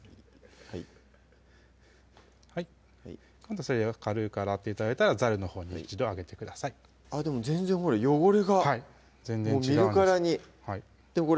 はいはい今度それを軽く洗って頂いたらざるのほうに一度上げてくださいでも全然汚れがはい全然違うんです